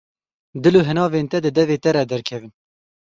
Dil û hinavên te di devê te re derkevin.